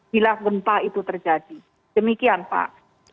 bila gempa itu terjadi demikian pak